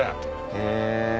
へえ。